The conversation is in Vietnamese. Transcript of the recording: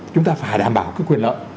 chúng ta phải đảm bảo cái quyền lợi